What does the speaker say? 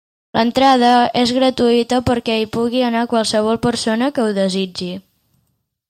L'entrada és gratuïta perquè hi pugui anar qualsevol persona que ho desitgi.